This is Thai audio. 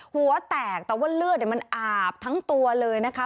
หัวแตกแต่ว่าเลือดมันอาบทั้งตัวเลยนะคะ